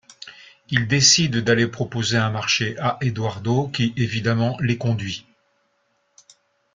Il décide d'aller proposer un marché à Eduardo, qui évidemment l'éconduit.